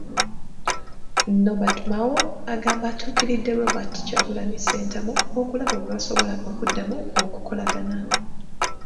Nobert Mao agamba atuukiridde Robert Kyagulanyi Ssentamu okulaba bwe basobola okuddamu okukolagana..